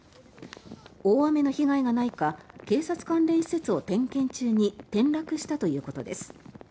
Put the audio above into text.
大雨の被害がないか警察関連施設を点検中に転落したということです。